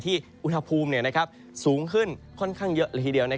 อุณหภูมิสูงขึ้นค่อนข้างเยอะละทีเดียว